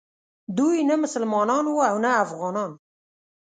دوی نه مسلمانان وو او نه افغانان.